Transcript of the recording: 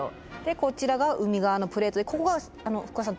こちらが海側のプレートでここが福和さん